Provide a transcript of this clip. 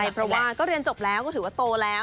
เพราะว่าก็เรียนจบแล้วก็ถือว่าโตแล้ว